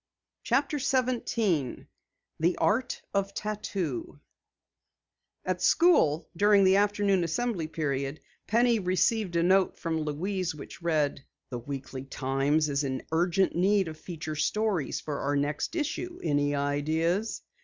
CHAPTER 17 THE ART OF TATTOO At school, during the afternoon assembly period, Penny received a note from Louise which read: "The Weekly Times is in urgent need of feature stories for our next issue. Any ideas?"